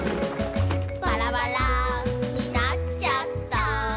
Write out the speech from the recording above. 「バラバラになちゃった」